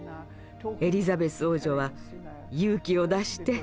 エリザベス王女は「勇気を出して。